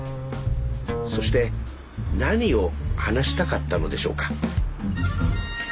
そして何を話したかったのでしょうか。